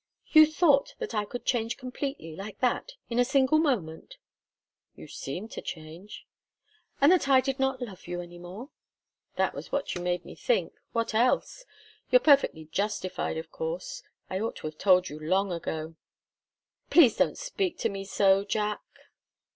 "You thought that I could change completely, like that in a single moment?" "You seemed to change." "And that I did not love you any more?" "That was what you made me think what else? You're perfectly justified, of course. I ought to have told you long ago." "Please don't speak to me so Jack."